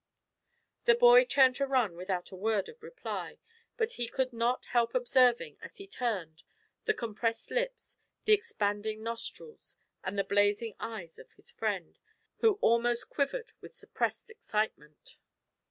The boy turned to run without a word of reply, but he could not help observing, as he turned, the compressed lips, the expanding nostrils, and the blazing eyes of his friend, who almost quivered with suppressed excitement.